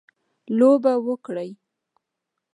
لوبه وکړي.